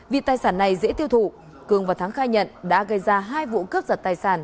vì tài sản này dễ tiêu thụ cường và thắng khai nhận đã gây ra hai vụ cướp giật tài sản